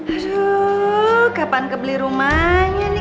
aduh kapan kebeli rumahnya nih